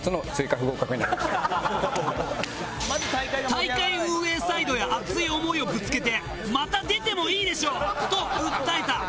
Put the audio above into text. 大会運営サイドへ熱い思いをぶつけて「また出てもいいでしょ？」と訴えた。